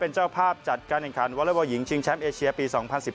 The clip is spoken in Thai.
ชิงแชมป์เอเชียปี๒๐๑๙